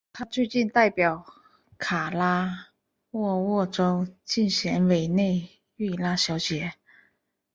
她最近代表卡拉沃沃州竞选委内瑞拉小姐。